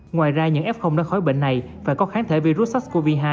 ngoài ra những f đã khỏi bệnh này phải có kháng thể virus sars cov hai